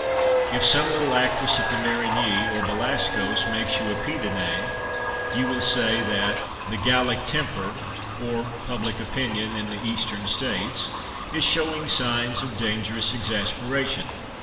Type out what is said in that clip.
If some little actress at the Marigny, or Belasco's, makes you a pied de nez you will say 282 PRACTICAL LITERATURE that " the GaUic temper (or pubHc opinion in the Eastern States) is showing signs of dangerous exas peration."